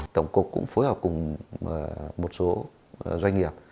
tổng cục cũng phối hợp cùng một số doanh nghiệp